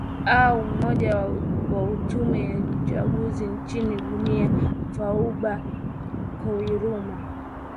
a mmoja wa tume ya uchaguzi nchini guniea fauba kouruma